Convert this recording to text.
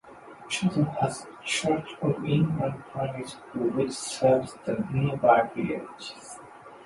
Chirton has a church of England primary school which serves the nearby villages.